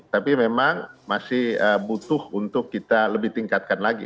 tapi memang masih butuh untuk kita lebih tingkatkan lagi